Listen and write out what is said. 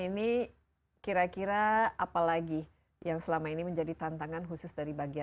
ini kira kira apa lagi yang selama ini menjadi tantangan khusus dari bagian